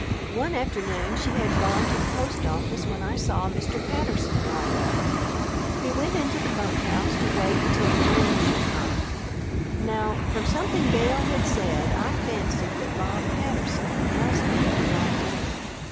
One afternoon she had gone to the post office when I saw Mr. Patterson ride up. He went into the bunk house to wait until the men should come. Now, from something Gale had said I fancied that Bob Patterson must be the right man.